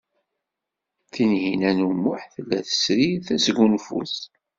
Tinhinan u Muḥ tella tesri tasgunfut.